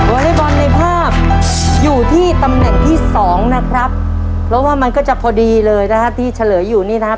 อเล็กบอลในภาพอยู่ที่ตำแหน่งที่สองนะครับเพราะว่ามันก็จะพอดีเลยนะฮะที่เฉลยอยู่นี่นะครับ